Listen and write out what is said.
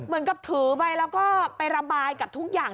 เหมือนกับถือไปแล้วก็ไประบายกับทุกอย่าง